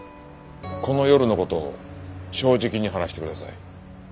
この夜の事を正直に話してください。